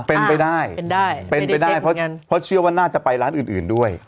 เป็นไปได้เพราะเชื่อว่าน่าจะไปร้านอื่นด้วย